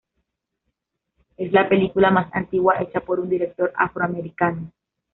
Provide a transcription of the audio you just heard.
Es la película más antigua hecha por un director afroamericano.